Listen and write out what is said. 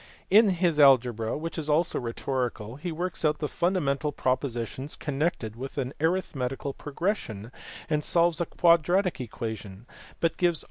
In his algebra, which is also rhetorical, he works out the fundamental propositions connected with an arithmetical pro gression, and solves a quadratic equation (but gives only the * These two chapters (chaps, xii.